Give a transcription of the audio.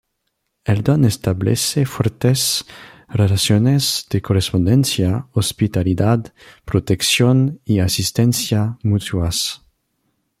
El don establece fuertes relaciones de correspondencia, hospitalidad, protección y asistencia mutuas...